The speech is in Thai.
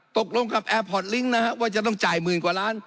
ตกลงกับแอร์พอร์ตลิงค์นะครับว่าจะต้องจ่ายหมื่นกว่าล้าน